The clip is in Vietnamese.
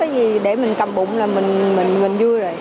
có cái gì để mình cầm bụng là mình vui rồi